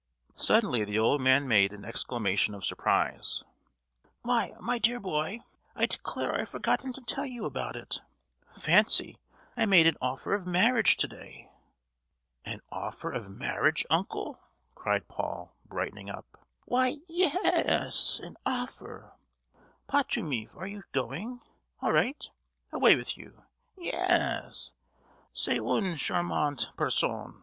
Suddenly the old man made an exclamation of surprise. "Why, my dear boy, I declare I've forgotten to tell you about it. Fancy, I made an offer of marriage to day!" "An offer of marriage, uncle?" cried Paul, brightening up. "Why, ye—yes! an offer. Pachomief, are you going? All right! Away with you! Ye—yes, c'est une charmante personne.